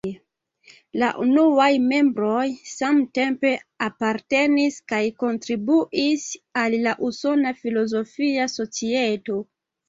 La unuaj membroj samtempe apartenis kaj kontribuis al la Usona Filozofia Societo.